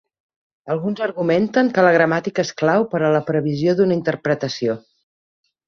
Alguns argumenten que la gramàtica és clau per a la previsió d'una interpretació.